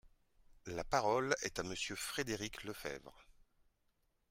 La parole est à Monsieur Frédéric Lefebvre.